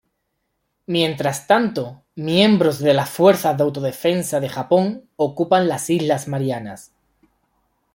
Mientras tanto, miembros de las Fuerzas de Autodefensa de Japón ocupan las islas Marianas.